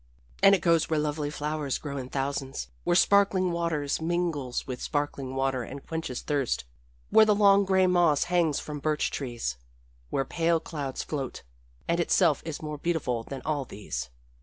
And it goes where lovely flowers grow in thousands, where sparkling water mingles with sparkling water and quenches thirst, where the long gray moss hangs from birch trees, where pale clouds float and itself is more beautiful than all these.